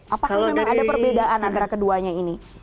apakah memang ada perbedaan antara keduanya ini